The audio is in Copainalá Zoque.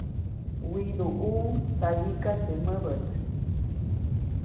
Widuʼuʼuŋ tsayiʼka teʼ mäbät.